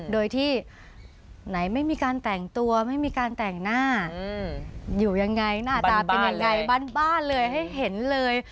โดยที่ไหนไม่มีการแต่งตัวไม่มีการแต่งหน้าอยู่ยังไงหน้าตาเป็นยังไงบ้านเลยให้เห็นเลย